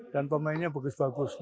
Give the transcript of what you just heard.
dan pemainnya bagus bagus